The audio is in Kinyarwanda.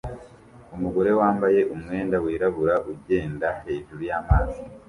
Umugore wambaye umwenda wirabura ugenda hejuru y'amazi